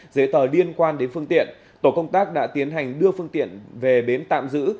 giấy tờ liên quan đến phương tiện tổ công tác đã tiến hành đưa phương tiện về bến tạm giữ